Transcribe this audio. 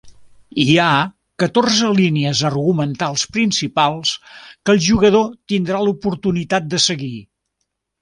Hi ha catorze línies argumentals principals que el jugador tindrà l'oportunitat de seguir.